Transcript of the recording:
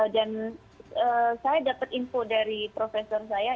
dan saya dapat info dari profesor saya